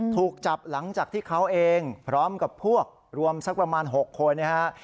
ถูกจับหลังจากที่เขาเองพร้อมกับพวกรวมสักประมาณ๖คนนะครับ